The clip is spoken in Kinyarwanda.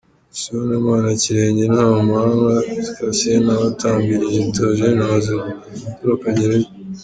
Sibomana Kirenge, Ntamuhanga Cassien na Batambirije Théogène bamaze gutroka gereza.